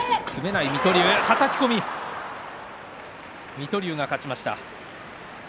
水戸龍が勝ちました。